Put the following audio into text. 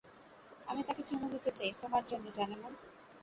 আমি তাকে চুমু দিতে চাই, তোমার জন্য, জানেমান।